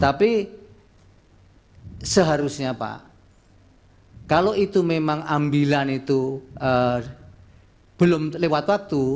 tapi seharusnya pak kalau itu memang ambilan itu belum lewat waktu